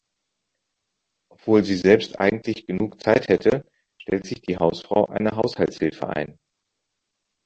Obwohl sie selbst eigentlich genug Zeit hätte, stellt sich die Hausfrau eine Haushaltshilfe ein.